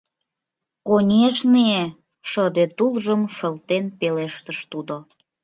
— Конешне, — шыде тулжым шылтен пелештыш тудо.